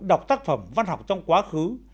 đọc tác phẩm văn học trong quá khứ